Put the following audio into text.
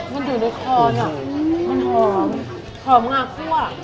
มันอยู่ในคอนอ่ะมันหอมหอมงาคั่ว